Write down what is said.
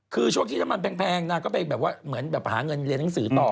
คือช่วงที่น้ำมันแพงนางก็ไปแบบว่าเหมือนแบบหาเงินเรียนหนังสือต่อ